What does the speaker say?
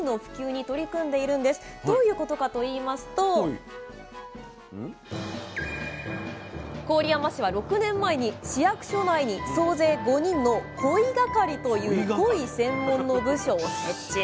どういうことかといいますと郡山市は６年前に市役所内に総勢５人の鯉係という鯉専門の部署を設置。